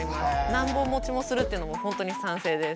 何本持ちもするっていうのも本当に賛成です。